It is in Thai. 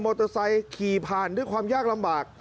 เตอร์ไซค์ขี่ผ่านด้วยความยากลำบาก